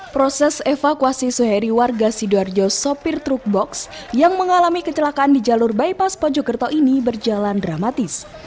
proses evakuasi suheri warga sidoarjo sopir truk box yang mengalami kecelakaan di jalur bypass mojokerto ini berjalan dramatis